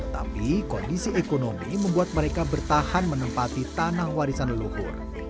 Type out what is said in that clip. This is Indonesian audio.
tapi kondisi ekonomi membuat mereka bertahan menempati tanah warisan leluhur